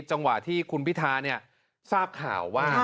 จังหวะที่คุณพิธาทราบข่าวว่า